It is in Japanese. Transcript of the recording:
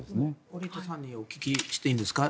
織田さんにお聞きしていいですか。